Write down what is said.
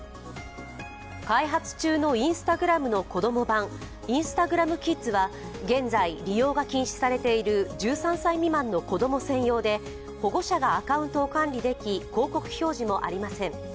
開発中のＩｎｓｔａｇｒａｍの子供版ＩｎｓｔａｇｒａｍＫｉｄｓは現在、利用が禁止されている１３歳の未満の子供専用で保護者がアカウントを管理でき、広告表示もありません。